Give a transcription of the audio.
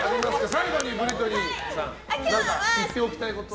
最後にブリトニーさん言っておきたいことは？